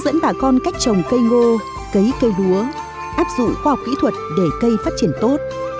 dẫn bà con cách trồng cây ngô cấy cây lúa áp dụng khoa học kỹ thuật để cây phát triển tốt